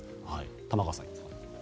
玉川さん。